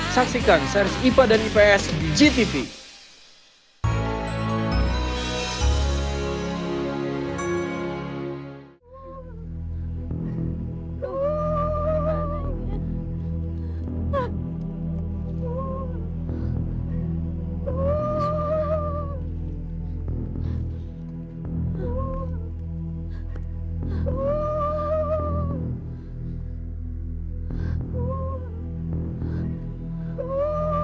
saksikan seri ipa dan ips di gtv